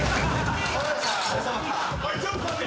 おいちょっと待て。